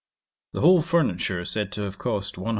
The whole furniture said to have cost 125,000£.